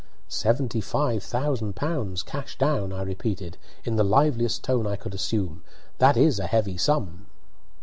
"Seventy five thousand pounds, cash down," I repeated, in the liveliest tone I could assume. "That is a heavy sum."